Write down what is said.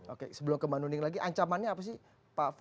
oke sebelum kemanuning lagi ancamannya apa sih pak